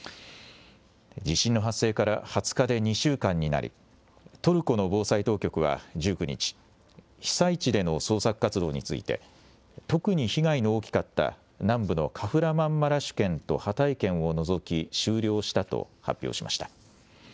地震の発生から２０日で２週間になり、トルコの防災当局は１９日、被災地での捜索活動について、特に被害の大きかった南部のカフラマンマラシュ県とハタイ県を除き、終了したと発表しました。